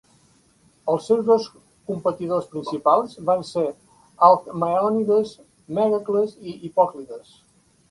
Els seus dos competidors principals van ser Alcmaeònides Mègacles i Hipòclides.